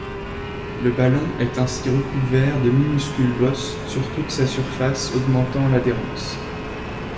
Le ballon est ainsi recouvert de minuscules bosses sur toute sa surface augmentant l'adhérence.